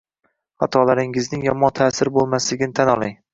Xatolaringizning yomon ta’siri bo’lmasligini tan oling